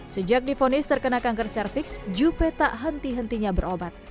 sejak difonis terkena kanker cervix juppe tak henti hentinya berobat